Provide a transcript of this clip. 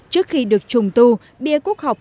trước khi được trùng tu bia quốc học